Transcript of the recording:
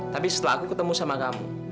tapi setelah aku ketemu sama kamu